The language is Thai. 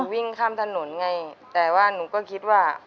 วิ่งข้ามถนนไงแต่ว่าหนูก็คิดว่า